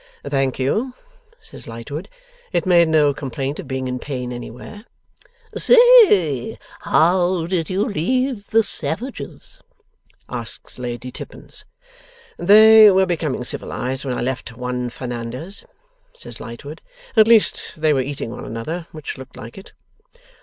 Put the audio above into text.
'Thank you,' says Lightwood. 'It made no complaint of being in pain anywhere.' 'Say, how did you leave the savages?' asks Lady Tippins. 'They were becoming civilized when I left Juan Fernandez,' says Lightwood. 'At least they were eating one another, which looked like it.